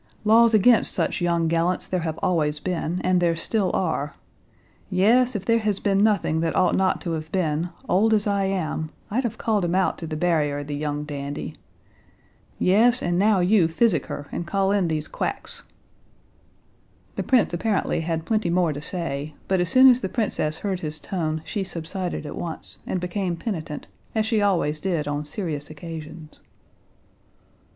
Laws against such young gallants there have always been, and there still are! Yes, if there has been nothing that ought not to have been, old as I am, I'd have called him out to the barrier, the young dandy. Yes, and now you physic her and call in these quacks." The prince apparently had plenty more to say, but as soon as the princess heard his tone she subsided at once, and became penitent, as she always did on serious occasions.